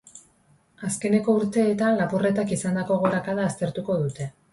Azkeneko urteetan lapurretak izandako gorakada aztertuko dute.